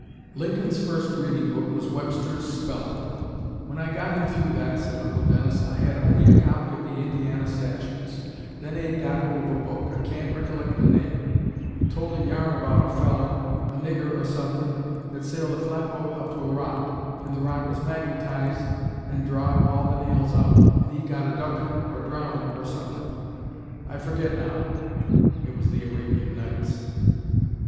Lincoln's first reading book was Webster's Speller. "When I got him through that," said Uncle Dennis, "I had only a copy of the Indiana Statutes. Then Abe got hold of a book. I can't rikkilect the name. It told a yarn about a feller, a nigger or suthin', that sailed a flatboat up to a rock, and the rock was magnetized and drawed all the nails out, and he got a duckin' or drowned or suthin', I forget now. [It was the "Arabian Nights."